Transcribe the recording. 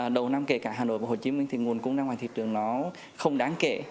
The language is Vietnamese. đầu năm kể cả hà nội và hồ chí minh thì nguồn cung ra ngoài thị trường nó không đáng kể